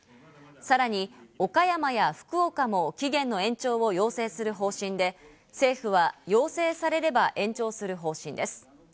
さらに岡山や福岡も期限の延長を要請する方針で、政府は要請されれば、延長する方針です。